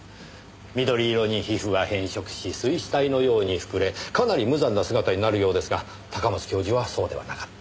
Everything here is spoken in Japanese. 緑色に皮膚が変色し水死体のように膨れかなり無残な姿になるようですが高松教授はそうではなかった。